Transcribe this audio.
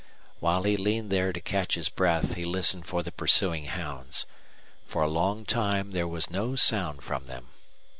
While he leaned there to catch his breath he listened for the pursuing hounds. For a long time there was no sound from them.